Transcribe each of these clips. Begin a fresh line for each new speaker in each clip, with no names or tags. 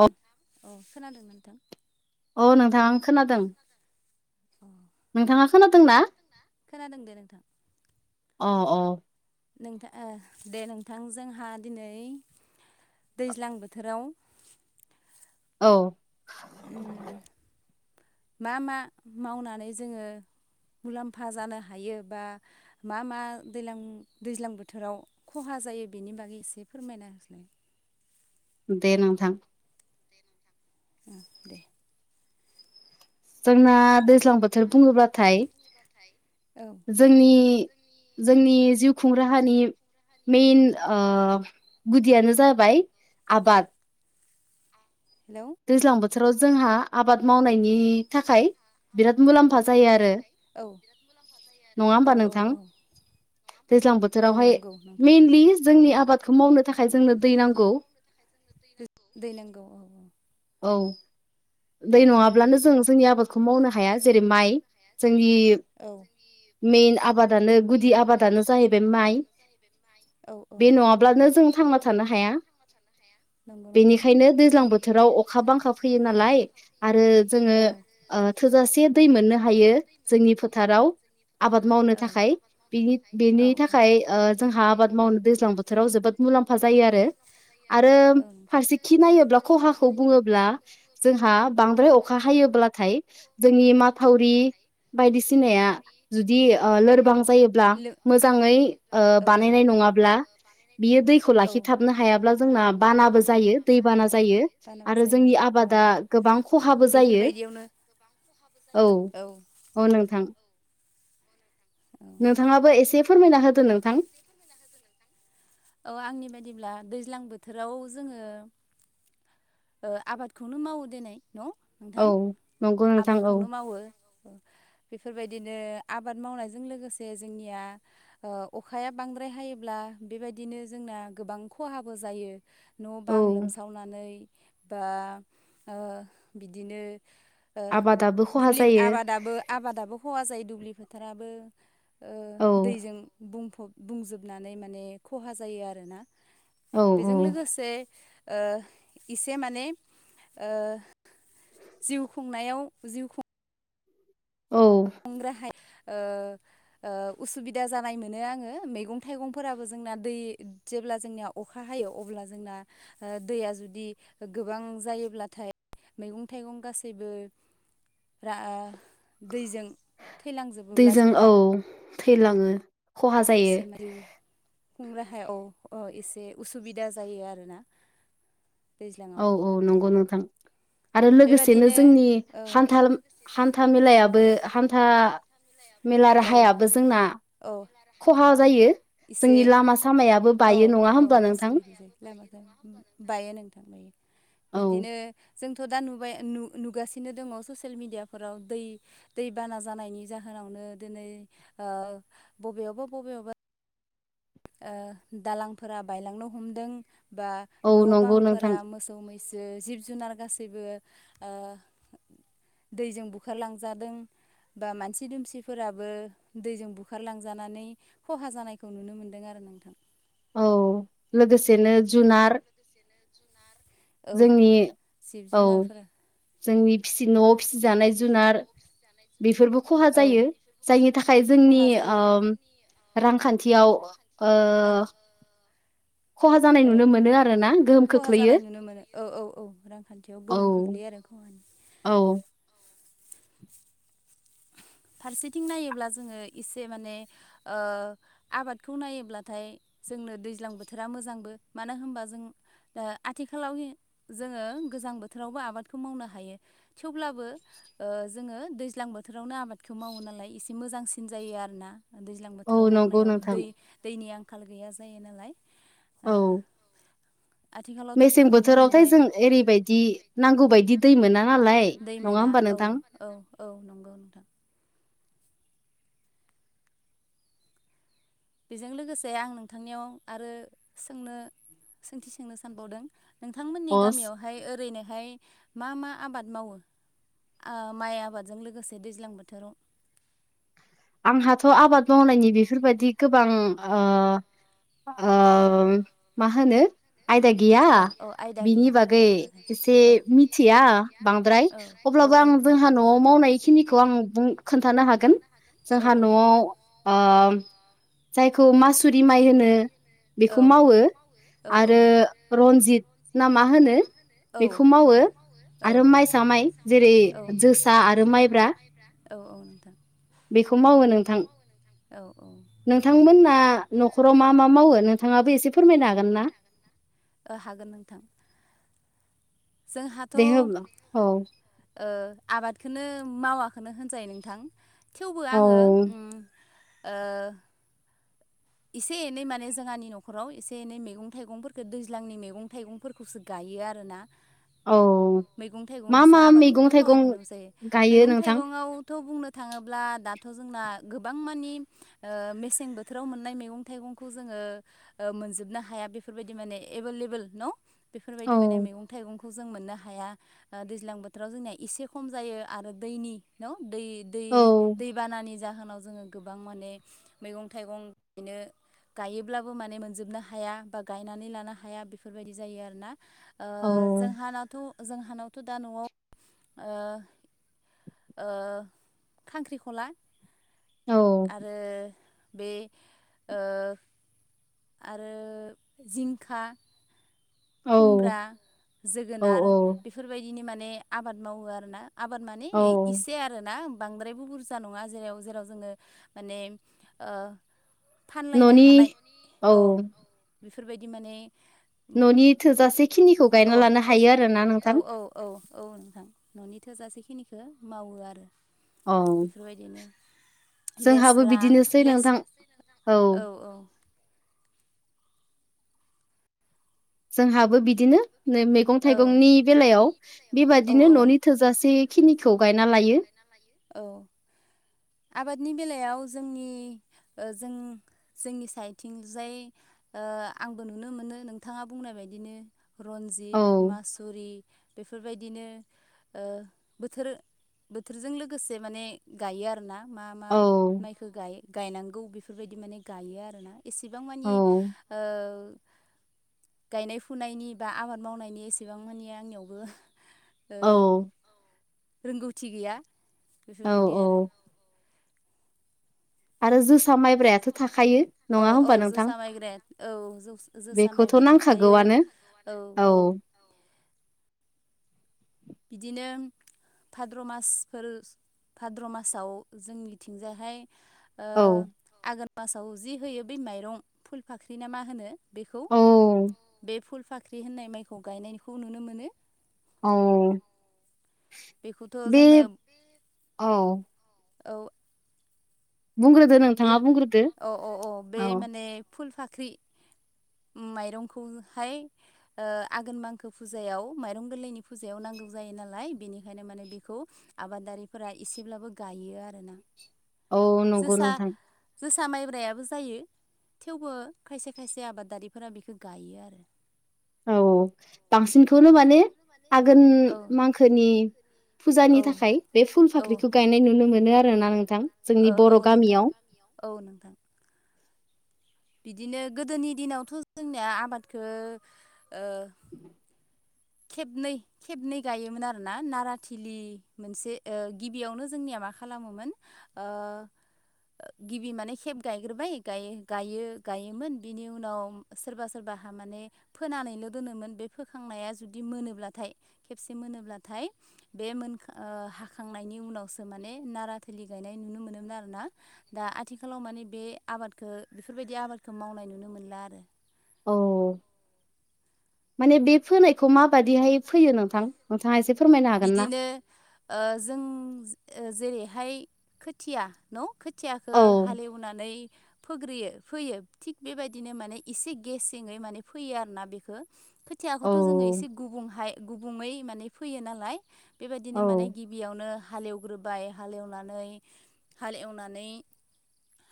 औ
औ खोनादों नोंथां
अ नोंथां आं खोनादों
अ
नोंथाङा खोनादों ना
खोनादों दे नोंथां
अ अ
नोंथां दे नोंथां जोंहा दिनै दैज्लां बोथोराव
औ
उम मा मा मावनानै जोङो मुलाम्फा जानो हायो बा मा मा दैलां दैज्लां बोथोराव खहा जायो बेनि बागै एसे फोरमायना होसाय
दे नोंथां
दे
जोंना दैज्लां बो
औ
जोंनि जोंनि जिउ खुं राहानि मेइन ओ गुदियानो जाबाय आबाद।
हेलौ।
दैज्लां बोथोराव जोंहा आबाद मावनायनि थाखाय। बिराद मुलाम्फा जायो आरो।
औ
नङा
औ
होमबा
औ
नोंथां
औ।
दैज्लां
औ
बोथोरावहाय
नंगौ नोंथां
मेइनलि जोंनि आबादखौ मावनो थाखाय जोंनो दै नांगौ।
दै नांगौ औ औ।
औ।
दै नांगौ
नङाब्लानो जों जोंनि आबादखौ मावनो हाया जेरै माइ
औ।
मिन आबादानो गुदि आबादानो जाहैबाय माइ
औ औ
बे नङाब्लानो जों थांना थानो हाया
नंगौ नोंथां
बेनिखायनो दैज्लां बोथोराव अखा बांखा फैयो नालाय आरो जोङो
औ आरो
ओ थोजासे दै मोननो हायो जोंनि फोथाराव। आबाद मावनो
औ
थाखाय। बेनि बेनि
औ
थाखाय ओ जोंहा आबाद मावनो दैज्लां बोथोराव जोबोद मुलाम्फा जायो आरो। आरो
औ नोंथां
फारसे खि नायोब्ला खहाखौ बुङोब्ला जोंहा बांद्राय अखा हायोब्लाथाय जोंनि माथावरि बायदिसिनाया जुदि ओ लोरबां जायोब्ला
लो
मोजाङै ओ
औ औ
बानायनाय नङाब्ला बियो दैखौ
औ
लाखिथाबनो हायाब्ला जोंना बानाबो जायो दै बाना
बानाबो
जायो
दैबाना
आरो
जायो
जोंनि
औ
आबादा गोबां खहाबो जायो
बेफोरबायदियावनो
औ औ नोंथां।
औ
नोंथाङाबो एसे फोरमायना होदो नोंथां।
औ आंनि बायदिब्ला दैज्लां बोथोराव जोङो ओ आबादखौनो मावो दिनै न'
औ
नोंथां
नंगौ नोंथां औ
आबादखौनो मावो बेफोरबायदिनो आबाद मावनायजों लोगोसे जोंनिया ओ अखाया बांद्राय हायोब्ला बेबायदिनो जोंना गोबां खहाबो जायो। न' बां
औ
लोमसावनानै बा ओ बिदिनो ओ
आबादाबो खहा
दुब्लि
जायो
आबादाबो आबादाबो खहा जायो दुब्लि फोथाराबो ओ
औ
दैजों बुंफब बुंजोबनानै माने खहा जायो आरोना
औ औ
बेजों लोगोसे ओ इसे माने ओ जिउ खुंनायाव जिउ खुं
औ।
[unintelligible] ओ ओ उसुबिदा जानाय मोनो आङो मैगं थाइगंफोराबो जोंना दै जेब्ला जोंनिया अखा हायो अब्ला जोंना ओ दैया जुदि गोबां जायोब्लाथाय मैगं थाइगं गासैबो रा ओ दैजों थैलांजोबोब्ला
दैजों
जोंना
औ थैलाङो। खहा जायो
इसे माइउ खुं राहाया औ अ एसे उसुबिदा जायो आरोना दैज्लाङाव
औ औ नंगौ नोंथां आरो लोगोसेनो
बेबादिनो
जोंनि
औ
हान्थाल हान्था मेलायाबो हान्था मेला
औ
राहायाबो जोंना
औ
खहा जायो
एसे
जोंनि लामा सामायाबो
औ
बायो नङा
औ
होमबा नोंथां।
उसुबिदा जायो बायो नोंथां बायो
औ
बिदिनो जोंथ' दा नुबाय नु- नुगासिनो दङ ससियेल मेडियाफोराव दै दै बाना जानायनि जाहोनावनो दोनै ओ बबेयावबा बबेयावबा दालांफोरा बायलांनो हमदों बा
औ
न'
नंगौ नोंथां
बांफोरा मो मैसो जिब जुनार गासैबो ओ दैजों बुखारलांजादों। बा मानसि दुमसिफोराबो दैजों बुखारलांजानानै खहा जानायखौ नुनो मोनदों दों आरो नोंथां।
औ लोगोसेनो जुनार।
जुनार
जोंनि औ जोंनि फिसि न'आव फिसिजानाय जुनार बेफोरबो खहा
औ
जायो जायनि थाखाय जोंनि
खहा जायो
रांखान्थियाव ओ खहा जानाय नुनो मोनो आरोना गोहोम खोख्लैयो।
औ औ औ रांखान्थियाव
औ
गोहोम खोख्लैयो आरो खहानि
औ
फारसेथिं नायोब्ला जोङो एसे माने ओ आबादखौ नायोब्लाथाय जोंनो दैज्लां बोथोरा मोजांबो मानो होनबा जों दा आथिखालाव जोङो गोजां बोथोरावबो आबादखौ मावनो हायो। थेवब्लाबो ओ जोङो दैज्लां बोथोरावनो आबाद खौ मावो नालाय एसे मोजांसिन जायो आरोना दैज्लां
औ
बोथोराव
नंगौ
मावनायाव
नोंथां
दै दैनि आं आखाल गैया जायो नालाय ओ
औ
आथिखालावथ' जों
मेसें
नुनो
बोथोरावथाय
मोनबायै
जों ओरैबायदि नांगौ
[unintelligible]
बायदि दै
नांगौ
मोना
बायदि
नालाय
दै
नङा
मोना
होमबा
औ
नोंथां
औ औ नंगौ नोंथां। बेजों लोगोसे आं नोंथांनियाव आरो सोंनो सोंथि सोंनो सानबावदों। नोंथांमोननि
अस
गामियावहाय ओरैनोहाय मा मा आबाद मावो। आ माइ आबादजों लोगोसे दैज्लां बोथोराव
आंहाथ' आबाद मावनायनि बेफोरबायाददि गोबां ओ ओम मा होनो आयदा गैया
ओ औ आयदा
बिनि
गैया
बागै
नोंथां
एसे
औ
मिथिया बांद्राय
औ
अब्लाबो
औ
आं
औ
जोंहा
नोंथां
न'आव
औ औ
मावनाय खिनिखौ आं बुं खोन्थानो हागोन‌। जोंहा न'आव ओम। जायखौ मासुरि माइ होनो बेखौ मावो
औ औ
आरो
नोंथां
रनजित। ना मा होनो
औ
बेखौ मावो
नोंथां औ
आरो माइसा माइ जेरै
औ
जोसा आरो माइ। ब्रा
औ औ नोंथां बेखौ मावो नोंथां औ औ
नोंथांमोनना न'खराव मा मा मावो नोंथाङाबो एसे फोरमायनो हागोन ना।
ओ हागोन नोंथां। जोंहाथ'
दे होबब्ला औ
ओ आबादखौनो मावाखनो होनजायो नोंथां। थेवबो
औ
आङो उम ओ एसे एनै माने जोंहनि न'खराव एसे एनै मैगं थाइगंफोरखौ दैज्लांनि मैगं थाइगंफोरखौसो गायो आरोना
औ
मैगं
मा
थाइगंखौसो
मा मैगं
आबादखौथ'
थाइगं
मावाखौनो होनजायो
गायो
मैगं
नोंथां
थाइगंआव थ' बुंनो थाङोब्ला दाथ' जोंना गोबां मानि मेसें बोथोराव मोन मैगं थाइगंखौ जोङो मोनजोबनो हाया बेफोरबायदि माने एभेलेबेल न' बेफोरबायदि
औ
माने मैगं थाइगं खौ जों मोननो हाया दैज्लां बोथोराव जोंनिया एसे खम जायो आरो दैनि न दै दै
औ
दैबानानि जाहोनाव जोङो गोबां माने मैगं थाइगं बिनो गायोब्लाबो माने मोनजोबनो हाया बा गायनानै लानो हाया बेफोरबायदि जायो आरोना ओ
औ
जोंहानावथ' जोंहानावथ' दा न'आव ओ ओ खांख्रिखला
औ
आरो बे ओ आरो जिंखा
औ
खुमब्रा
औ
जोगोनार
औ
बेफोरबायदिनि माने आबाद मावो आरोना। आबाद मानि
औ
इसे आरोना। बांद्रायबो बुरजा नङा जेराव जेराव जोङो माने ओ फानलायनो
न'नि
हानाय औ बेफोरबायदि माने
न'नि थोजासे खिनिखौ
अ
गायना लानो
थज
हायो आरो ना नोंथां।
औ औ औ नोंथां न'नि थोजासेखिनिखौ मावो आरो
औ
बेफोरबायदि बिदिनो
जोंहाबो
लेस्रा
बिदिनोसै नोंथां
औ औ
जोंहाबो बिदिनो नै मैगं
मैगं
थाइगंनि
थाइगंनि
बेलायाव
औ
बेबादिनो
औ
न'नि थोजासे खिनिखौ गायना लायो।
लायो औ आबादनि बेलायाव जोंनि जों जोंनि साइडथिंजाय आंबो नुनो मोनो नोंथाङा बुंनाय बायदिनो रन्जित
औ
मास जुरि बेफोरबायदिनो बोथोर बोथोरजों लोगोसे माने गायो आरो आरोना मा मा
औ
माइखौ गायनांगौ बेफोरबायदि माने गायो आरो ना एसेबां
औ
मानि ओ गायनाय फुनायनि बा आबाद मावनायनि एसेबां मानि आंनियावबो ओ
औ
रोंगौथि गैया
औ
बेफोरबायदि आरो
औ आरो जोसा माइब्रा
औ औ जोसा माइग्रेड औ जसा जोसा
बेखौथ'
माइब्रा थाखायो
नांखागौआनो
औ औ बिदिनो भाद्र मासफोर भाद्र मासाव जोंनिथिंजायाहाय ओ
औ
आघोन मासाव जि होयो बै माइरं फुल फाख्रि ना मा होनो? बेखौ
औ
बे फुल फाख्रि होननाय माइखौ गायनायखौ नुनो मोनो।
औ
बेखौथ'
बे
जोंनो
औ
औ
बुंंग्रोदो
बे अ अ अ बे माने फुल फाख्रि माइरंखौहाय आघोन मांखो फुजायाव माइरं गोरलैनि फुजायाव नांगौ जायो नालाय बेनिखायनो माने बेखौ आबादारिफोरा एसेब्लाबो गायो आरोना।
औ नंगौ
जोसा
नोंथां
जोसा माइब्रायाबो जायो थेवबो खायसे खायसे आबाद दारिफोरा बिखौ गायो आरो।
औ औ बांसिनखौनो माने आघोन
औ
मांखोनि फुजानि
औ
थाखाय बे फुल
औ
फाख्रिखौ गायनाय नुनो मोनो आरोना नोंथां जोंनि
ओ
बर'
औ नोंथां
गामियाव।
औ नोंथां बिदिनो गोदोनि दिनावथ' जोंनिया आबादखौ ओ खेबनै खेबनै गायोमोन आर ना नाराथिलि मोनसे गिबियावनो जोंनिया मा खालामोमोन ओ गिबि माने खेब गायग्रोबाय गायोमोन बिनि उनाव सोरबा सोरबाहा माने फोनानैल' दोनोमोन बे फोखांनाया जुदि मोनोब्लाथाय खेबसे मोनोब्लाथाय बे मोन हाखांनायनि उनावसो माने नाराथोलि गायनाय नुनो मोनोमोन आरोना। दा आथिखालाव माने बे आबादखौ बेफोरबायदि आबादखौ मावनाय नुनो मोनला आरो।
औ माने बे फोनायखौ माबादिहाय फैयो नोंथां नोंथाङा एसे फोरमायनो हागोन ना
बिदिनो ओ जों ओ जेरैहाय खोथिया न' खोथियाखौ
औ
हालेवनानै फोग्रोयो फोयो थिग बेबायदिनो माने एसे गेसेङै माने फैयो आरो ना बेखौ।
औ
खोथियाखौथ' जोङो एसे गुबुंहाय गुबुङै माने फैयो नालाय
औ
बेबायदिनो माने गिबियावनो हालेवग्रोबाय हालेवनानै हाल एवनानै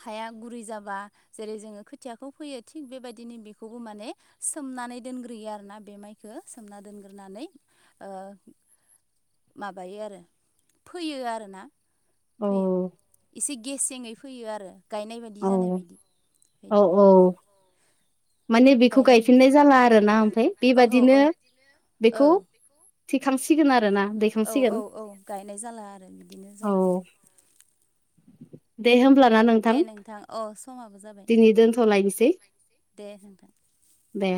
हाया गुरै जाबा जेरै- जोङो खोथियाखौ फोयो थिग बेबायदिनो बेखौबो माने सोमनानै दोनग्रोयो आरोना बे माइखो सोमना दोनग्रोनानै ओ माबायो आरो फैयो आरोना
औ
फोयो एसे गेसेङै फोयो आरो गायनाय बायदि
औ
जानाय बायदि
औ
बेदिनो
औ माने बेखौ गायफिननाय जाला आरो ना ओमफ्राय
ओहो
बेबादिनो
औ औ
बेखौ थिखांसिगोन आरो ना
औ औ औ गायनाय जाला आरो बिदिनो
औ
जायो आरो।
दे होमब्लाना नों
दे नोंथां औ समाबो जाबाय दे
दोनथ'लायनोसै
दे नोंथां।
दे